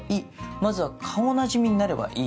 まずは顔なじみになればいい。